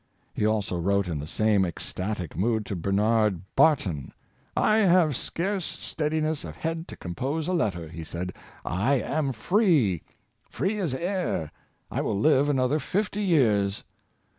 He also wrote in the same ec static mood to Bernard Barton. ''I have scarce steadi ness of head to compose a letter," he said; '' I am free! free as air! I will live another fifty years.